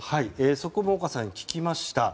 そこも岡さんに聞きました。